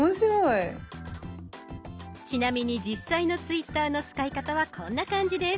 ちなみに実際のツイッターの使い方はこんな感じです。